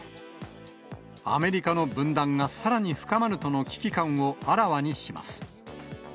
アメリカの分断がさらに深まるとの危機感をあらわにします。